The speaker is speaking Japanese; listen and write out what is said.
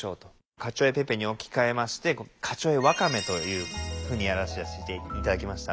カチョ・エ・ペペに置き換えましてカチョ・エ・ワカメというふうにやらさせて頂きました。